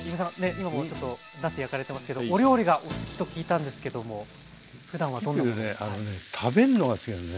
今もちょっとなす焼かれてますけどお料理がお好きと聞いたんですけどもふだんはどんな？